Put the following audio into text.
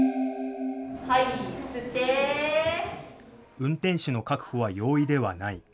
運転手の確保は容易ではない。